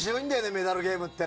メダルゲームって。